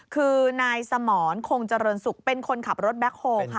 คือนายสมรคงเจริญสุขเป็นคนขับรถแบ็คโฮลค่ะ